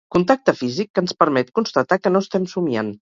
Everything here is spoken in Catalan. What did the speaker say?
Contacte físic que ens permet constatar que no estem somiant.